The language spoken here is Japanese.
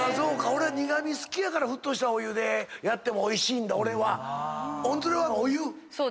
俺は苦味好きやから沸騰したお湯でやってもおいしいんだ。